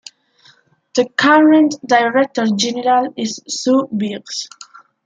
The current Director General is Sue Biggs.